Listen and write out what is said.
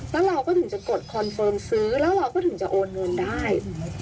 แล้วเราก็ถึงจะกดคอนเฟิร์มซื้อแล้วเราก็ถึงจะโอนเงินได้